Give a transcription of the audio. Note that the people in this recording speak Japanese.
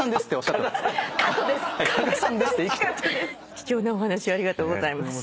貴重なお話ありがとうございます。